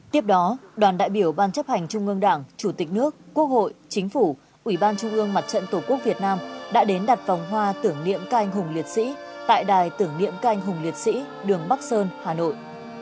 tiếp đó đoàn đại biểu ban chấp hành trung ương đảng chủ tịch nước quốc hội chính phủ ủy ban trung ương mặt trận tổ quốc việt nam đã đến đặt vòng hoa tưởng niệm các anh hùng liệt sĩ tại đài tưởng niệm canh hùng liệt sĩ đường bắc sơn hà nội